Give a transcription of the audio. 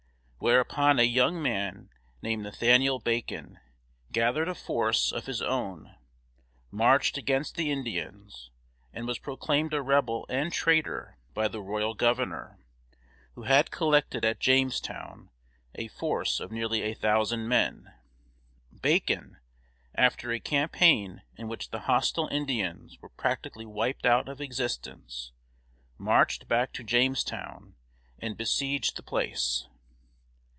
Whereupon a young man named Nathaniel Bacon gathered a force of his own, marched against the Indians, and was proclaimed a rebel and traitor by the royal governor, who had collected at Jamestown a force of nearly a thousand men. Bacon, after a campaign in which the hostile Indians were practically wiped out of existence, marched back to Jamestown and besieged the place.